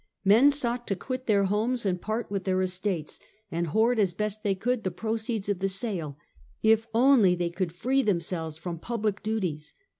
Men sought to quit their homes and part with their estates, and hoard as best they could the proceeds of the sale, if only they could free themselves from public duties.